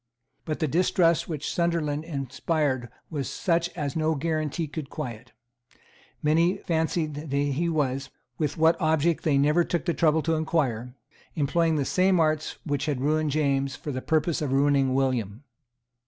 But the distrust which Sunderland inspired was such as no guarantee could quiet. Many fancied that he was, with what object they never took the trouble to inquire, employing the same arts which had ruined James for the purpose of ruining William.